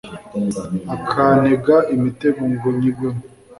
akantega imitego ngo nyigwemo